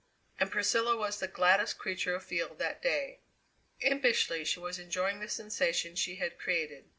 And Priscilla was the gladdest creature afield that day. Impishly she was enjoying the sensation she had created.